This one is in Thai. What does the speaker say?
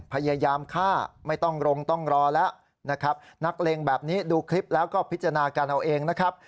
พยายามฆ่าไม่ต้องลงต้องรอแล้วนะครับนักเลงแบบนี้ดูคลิปแล้วก็พิจารณาการเอาเองนะครับ